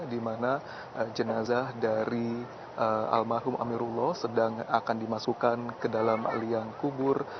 di mana jenazah dari almarhum amirullah sedang akan dimasukkan ke dalam liang kubur